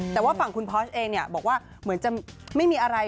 แต่ว่าฝั่งคุณพอร์ชเองบอกว่าเหมือนจะไม่มีอะไร